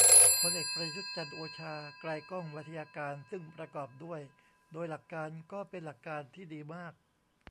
พลเอกประยุทธ์ จันทร์โอชา ไกลก้อง ไวทยการ ซึ่งประกอบด้วย โดยหลักการ ก็เป็นหลักการที่ดีมาก